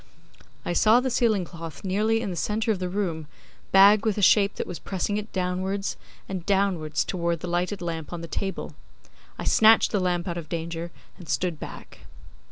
I saw the ceiling cloth nearly in the centre of the room bag with a shape that was pressing it downwards and downwards towards the lighted lamp on the table. I snatched the lamp out of danger and stood back.